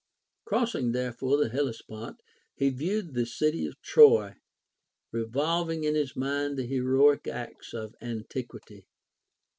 Crossing therefore the Hellespont, he viewed the city of Troy, revolving in his mind the heroic acts of antiquity.